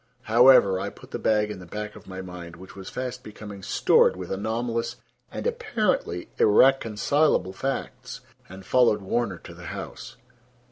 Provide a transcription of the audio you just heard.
However, I put the bag in the back of my mind, which was fast becoming stored with anomalous and apparently irreconcilable facts, and followed Warner to the house.